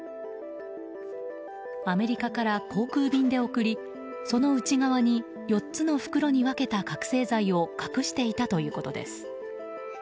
アメリカから航空便で送りその内側に４つの袋に分けた覚醒剤を隠していたということです。